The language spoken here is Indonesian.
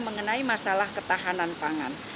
mengenai masalah ketahanan pangan